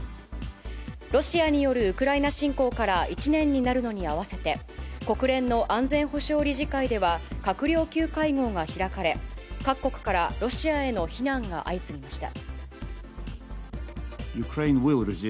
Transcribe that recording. ロシアによるウクライナ侵攻から１年になるのに合わせて、国連の安全保障理事会では閣僚級会合が開かれ、各国からロシアへの非難が相次ぎました。